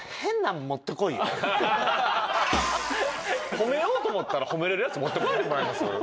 褒めようと思ったら褒められるやつ持ってこないでもらえます？